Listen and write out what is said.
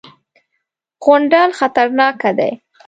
_غونډل خطرناکه دی.